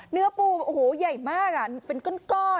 เนื้อปูใหญ่มาก